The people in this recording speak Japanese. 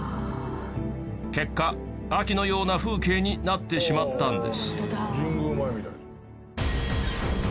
結果秋のような風景になってしまったんです。